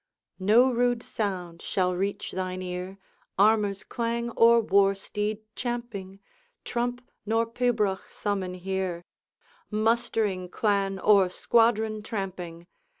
'No rude sound shall reach thine ear, Armor's clang or war steed champing Trump nor pibroch summon here Mustering clan or squadron tramping.